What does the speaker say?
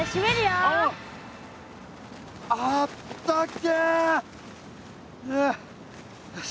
あったけえよし。